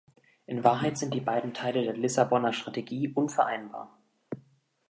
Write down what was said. In Wahrheit sind die beiden Teile der Lissabonner Strategie unvereinbar.